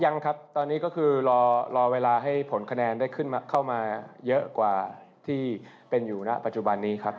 ยังครับตอนนี้ก็คือรอเวลาให้ผลคะแนนได้เข้ามาเยอะกว่าที่เป็นอยู่ณปัจจุบันนี้ครับ